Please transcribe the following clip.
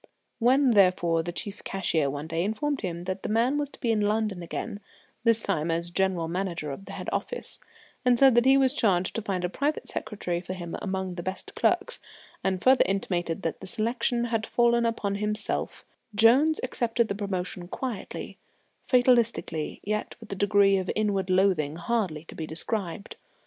When, therefore, the chief cashier one day informed him that the man was to be in London again this time as General Manager of the head office and said that he was charged to find a private secretary for him from among the best clerks, and further intimated that the selection had fallen upon himself, Jones accepted the promotion quietly, fatalistically, yet with a degree of inward loathing hardly to be described.